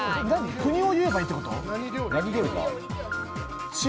国を言えばいいってこと？